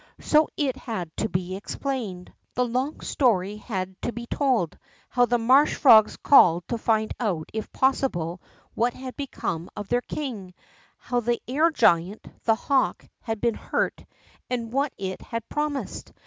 So it had to be explained. The long story had to be told, how the marsh frogs called to find out if possible what had become of their king, how the air giant, the hawk, had been hurt, and what it had promised.